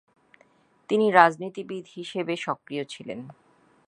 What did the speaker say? তিনি রাজনীতিবিদ হিসেবে সক্রিয় ছিলেন।